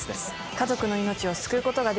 家族の命を救うことができるのか？